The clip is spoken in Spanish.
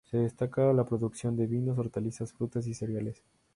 Se destaca la producción de vinos, hortalizas, frutas y cereales.